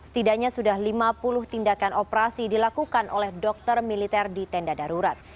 setidaknya sudah lima puluh tindakan operasi dilakukan oleh dokter militer di tenda darurat